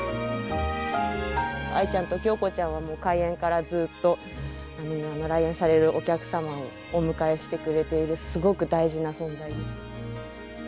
アイちゃんとキョウコちゃんはもう開園からずっと来園されるお客様をお迎えしてくれているすごく大事な存在です。